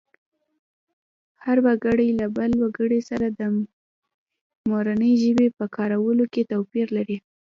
هر وګړی له بل وګړي سره د مورنۍ ژبې په کارولو کې توپیر لري